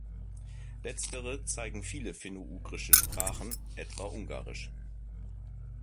Letztere zeigen viele finno-ugrische Sprachen, etwa Ungarisch.